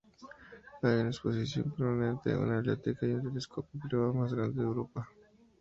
Hay una exposición permanente, una biblioteca y el telescopio privado más grande de Europa.